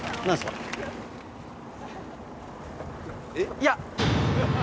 いや！